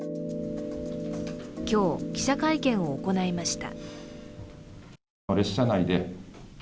今日、記者会見を行いました。